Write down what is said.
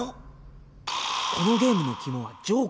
このゲームの肝はジョーカーの行方。